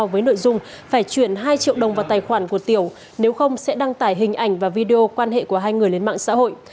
với nội dung phải chuyển hai triệu đồng vào tài khoản của tiểu nếu không sẽ đăng tải hình ảnh và video quan hệ của hai người lên mạng xã hội